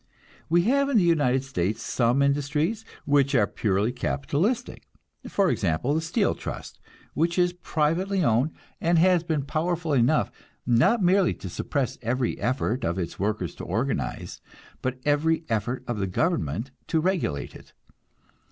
We have in the United States some industries which are purely capitalistic; for example, the Steel Trust, which is privately owned, and has been powerful enough, not merely to suppress every effort of its workers to organize, but every effort of the government to regulate it.